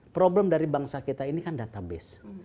problem dari bangsa kita ini kan database